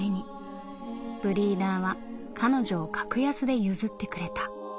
ブリーダーは彼女を格安で譲ってくれた」。